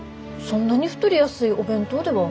そんなに太りやすいお弁当では。